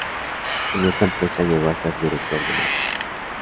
En esta empresa llegó a ser Director de Marketing.